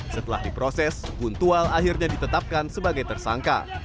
setelah diproses guntual akhirnya ditetapkan sebagai tersangka